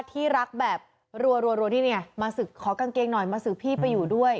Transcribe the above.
ที่รักแบบรัวนี่ไงมาศึกขอกางเกงหน่อยมาศึกพี่ไปอยู่ด้วย